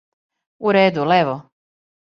У реду, лево!